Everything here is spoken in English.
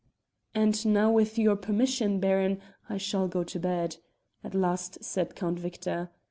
"And now with your permission, Baron, I shall go to bed," at last said Count Victor.